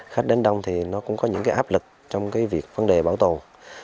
khách đến đông thì nó cũng có những cái áp lực trong cái việc vấn đề bảo tồn